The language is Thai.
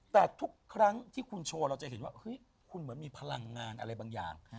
แต่ทุกครั้งที่คุณโชว์เราจะเห็นว่าเฮ้ยคุณเหมือนมีพลังงานอะไรบางอย่าง